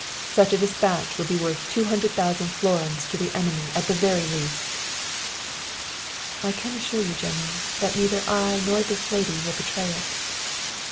Such a despatch would be worth 200,000 florins to the enemy at the very least.' "'I can assure you, General, that neither I nor this lady will betray it.'